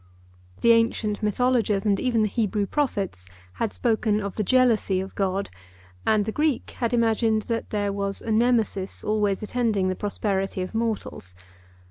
The ancient mythologers, and even the Hebrew prophets, had spoken of the jealousy of God; and the Greek had imagined that there was a Nemesis always attending the prosperity of mortals.